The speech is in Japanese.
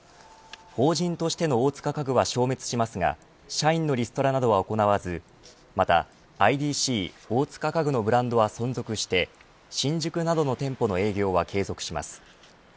法人としての大塚家具は消滅しますが社員のリストラなどは行わずまたＩＤＣ大塚家具のブランドは存続して新宿などの店舗の営業は継続します。